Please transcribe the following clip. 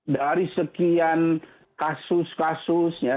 dari sekian kasus kasus ya